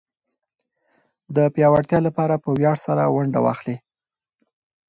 د پياوړتيا لپاره په وياړ سره ونډه اخلي.